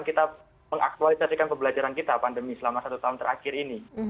kita mengaktualisasikan pembelajaran kita pandemi selama satu tahun terakhir ini